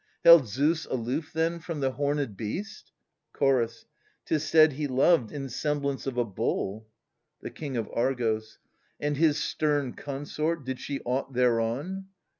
Held Zeus aloof then from the horned beast ? Chorus. Tis said, he loved, in semblance of a bull The King of Argos. And his stern consort, did she aught thereon